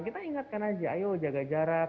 kita ingatkan aja ayo jaga jarak